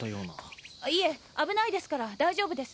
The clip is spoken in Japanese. いえ危ないですから大丈夫です。